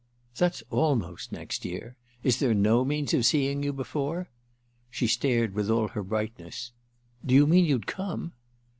"That's almost next year. Is there no means of seeing you before?" She stared with all her brightness. "Do you mean you'd come?"